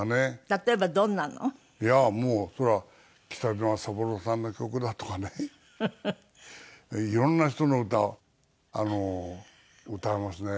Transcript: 例えばどんなの？いやもうそれは北島三郎さんの曲だとかねいろんな人の歌あの歌いますね。